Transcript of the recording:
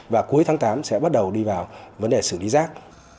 và cuối tháng tám sẽ bắt đầu đi vào vấn đề xử lý rác